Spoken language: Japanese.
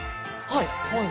はい。